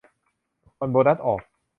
วันโบนัสออก